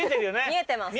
見えてます。